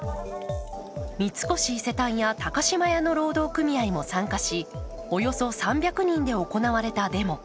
三越伊勢丹や高島屋の労働組合も参加しおよそ３００人で行われたデモ。